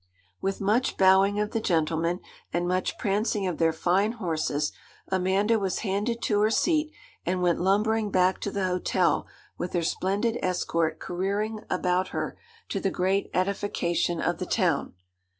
With much bowing of the gentlemen, and much prancing of their fine horses, Amanda was handed to her seat, and went lumbering back to the hotel with her splendid escort careering about her, to the great edification of the town.